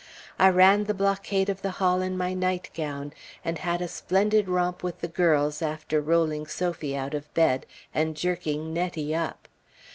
I ran the blockade of the hall in my nightgown, and had a splendid romp with the girls after rolling Sophie out of bed, and jerking Nettie up.